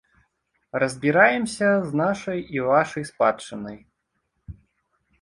Разбіраемся з нашай і вашай спадчынай.